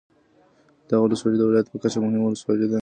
دغه ولسوالي د ولایت په کچه مهمه ولسوالي ده